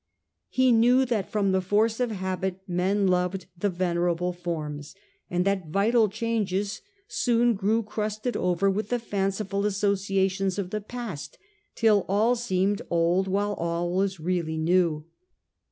He knew that from the force of habit men loved the venerable forms, and that vital changes soon grew crusted over with the fanciful associations of the past, till all seemed old while all was really new.